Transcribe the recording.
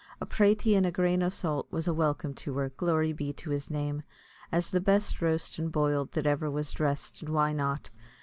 A pratie an' a grain o' salt was a welcome to her glory be to his name! as the best roast an' boiled that ever was dressed; and why not?